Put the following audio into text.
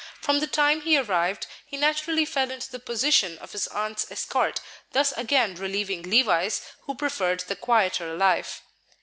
From the time he arrived, he naturally fell into the position of his aunt's escort, thus again relieving Levice, who preferred the quieter life.